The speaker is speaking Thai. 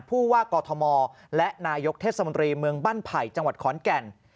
ผู้ว่ากอทมและนายกเทศมนตรีเมืองบ้านไผ่จังหวัดขอนแก่น